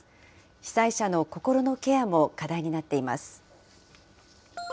被災者の心のケアも課題になっています。